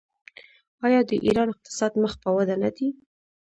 آیا د ایران اقتصاد مخ په وده نه دی؟